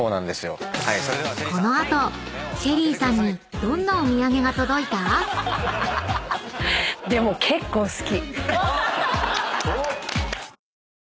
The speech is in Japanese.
［この後ＳＨＥＬＬＹさんにどんなお土産が届いた⁉］でも結構好き。